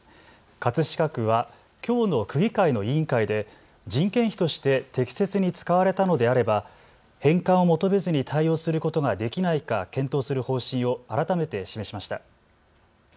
葛飾区はきょうの区議会の委員会で人件費として適切に使われたのであれば返還を求めずに対応することができないか検討する方針を改めて示しました。